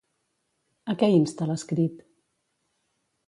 A què insta l'escrit?